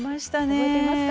覚えていますか？